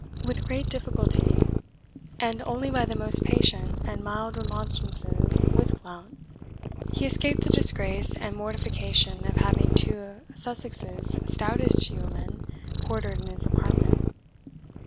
With great difficulty, and only by the most patient and mild remonstrances with Blount, he escaped the disgrace and mortification of having two of Sussex's stoutest yeomen quartered in his apartment.